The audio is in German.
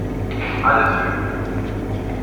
Alles Lügen!